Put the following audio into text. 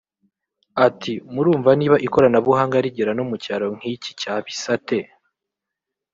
Ati “Murumva niba ikoranabuhanga rigera no mu cyaro nk’iki cya Bisate